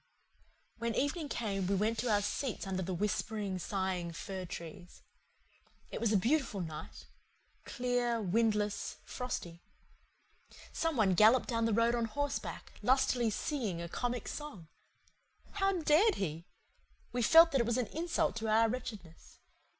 When evening came we went to our seats under the whispering, sighing fir trees. It was a beautiful night clear, windless, frosty. Some one galloped down the road on horseback, lustily singing a comic song. How dared he? We felt that it was an insult to our wretchedness.